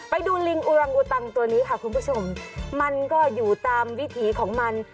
ไปดูลิงอุรังอุตังตัวนี้ค่ะคุณผู้ชมมันก็อยู่ตามวิถีของมัน